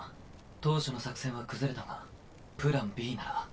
当初の作戦は崩れたがプランＢなら。